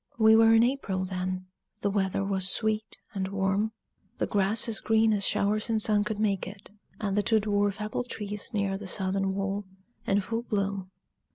We were in April then, the weather was sweet and warm, the grass as green as showers and sun could make it, and the two dwarf apple trees near the southern wall in full bloom.